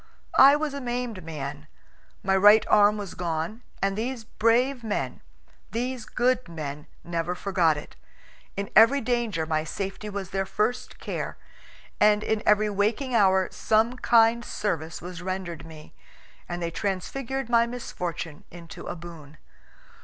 I was a maimed man; my right arm was gone; and these brave men, these good men, never forgot it. In every danger my safety was their first care, and in every waking hour some kind service was rendered me, and they transfigured my misfortune into a boon.